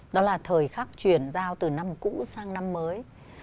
đó là thời khắc chuyển giao từ năm cũ sang năm mới